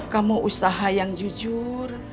kamu usaha yang jujur